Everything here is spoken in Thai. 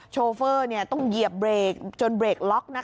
โชเฟอร์ต้องเหยียบเบรกจนเบรกล็อก